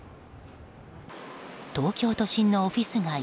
東京都心のオフィス街